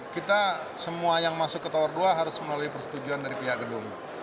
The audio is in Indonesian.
kita semua yang masuk ke tower dua harus melalui persetujuan dari pihak gedung